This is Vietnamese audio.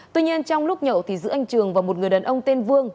tuy nhiên trong lúc nhậu thì giữa anh trường và một người đàn ông tên vương